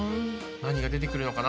何が出てくるのかな？